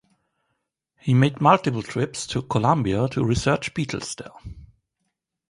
He made multiple trips to Colombia to research beetles there.